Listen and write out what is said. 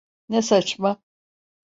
Ne saçma!